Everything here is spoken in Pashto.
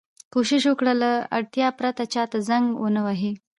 کوشش وکړئ! له اړتیا پرته چا ته زنګ و نه وهئ.